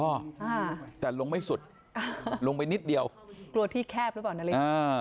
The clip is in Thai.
อ่าแต่ลงไม่สุดอ่าลงไปนิดเดียวกลัวที่แคบหรือเปล่านารินอ่า